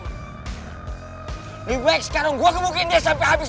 lebih baik sekarang gua kemungkinan dia sampai habis